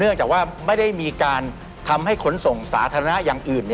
จากว่าไม่ได้มีการทำให้ขนส่งสาธารณะอย่างอื่น